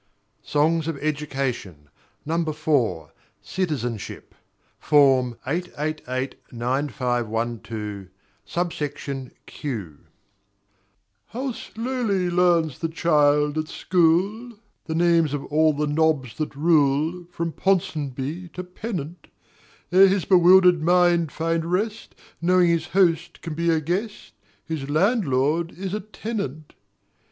SONGS OF EDUCATION: IV. CITIZENSHIP Form 8889512, Sub Section Q How slowly learns the child at school The names of all the nobs that rule From Ponsonby to Pennant; Ere his bewildered mind find rest, Knowing his host can be a Guest, His landlord is a Tennant.